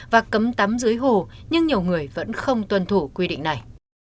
và cấm tắm dưới hồ nhưng nhiều người vẫn không tuân thủ quy định này